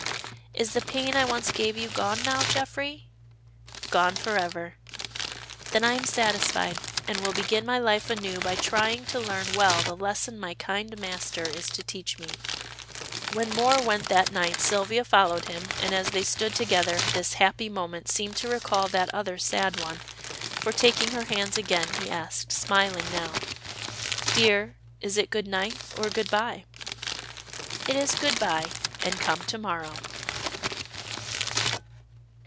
Is the pain I once gave you gone now, Geoffrey?" "Gone forever." "Then I am satisfied, and will begin my life anew by trying to learn well the lesson my kind master is to teach me." When Moor went that night Sylvia followed him, and as they stood together this happy moment seemed to recall that other sad one, for taking her hands again he asked, smiling now "Dear, is it good night or good by?" "It is good by and come to morrow."